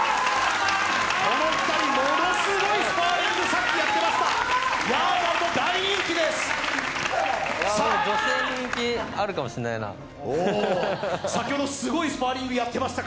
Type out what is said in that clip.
この２人、ものすごいスパーリングをさっきやってました。